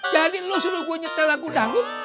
jadi lu suruh gue nyetel lagu dangdut